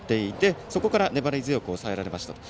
そこから粘り強く抑えられましたと。